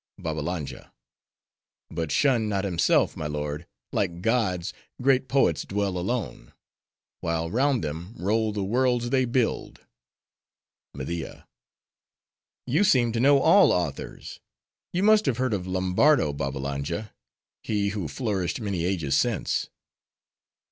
BABBALANJA—But shunned not himself, my lord; like gods, great poets dwell alone; while round them, roll the worlds they build. MEDIA—You seem to know all authors:—you must have heard of Lombardo, Babbalanja; he who flourished many ages since.